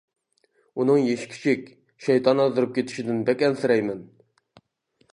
ئۇنىڭ يېشى كىچىك، شەيتان ئازدۇرۇپ كېتىشىدىن بەك ئەنسىرەيمەن.